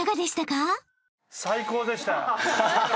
最高でした！